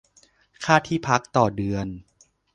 ค่าที่พัก ต่อเดือน